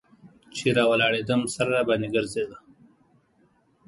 چې راولاړېدم سر راباندې ګرځېده.